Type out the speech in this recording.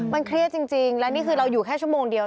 มันเครียดจริงและนี่คือเราอยู่แค่ชั่วโมงเดียว